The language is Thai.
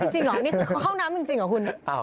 จริงเหรอนี่คือห้องน้ำจริงเหรอคุณ